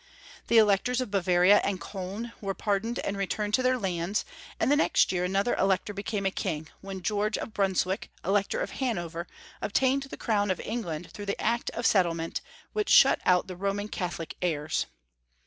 The Electors of Bavaria and Koln were pardoned and returned to their lands, and the next year another Elector became a King, when George of Brunswick, Elector of Hanover, obtained the crown Karl VI. 887 of England through the Act of Settlement, which shut out the Roman Catholic heirs.